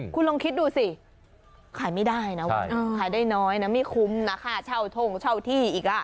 คุณลองคิดดูสิขายไม่ได้นะขายได้น้อยนะไม่คุ้มนะค่าเช่าท่งเช่าที่อีก